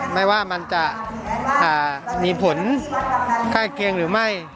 ไม่ว่ามันจะอ่ามีผลค่าเครียงหรือไม่